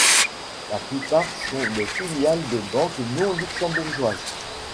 La plupart sont des filiales de banques non-luxembourgeoises.